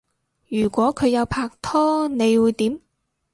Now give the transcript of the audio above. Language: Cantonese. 如果佢有拍拖你會點？